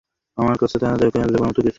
আমার কাছে তাকে দেবার মত কিছুই ছিল না।